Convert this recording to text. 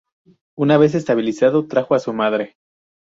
Una vez estabilizado trajo a su madre.